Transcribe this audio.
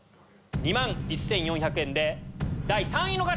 ２万１４００円で第３位の方！